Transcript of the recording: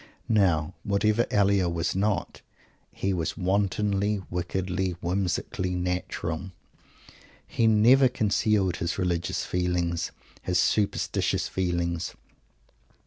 Now, whatever Elia was not, he was wantonly, wickedly, whimsically natural. He never concealed his religious feelings, his superstitious feelings.